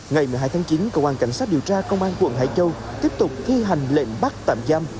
ngày một mươi hai tháng chín công an cảnh sát điều tra công an quận hải châu tiếp tục thi hành lệnh bắt tạm giam